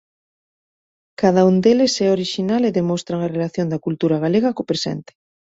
Cada un deles é orixinal e demostran a relación da cultura galega co presente.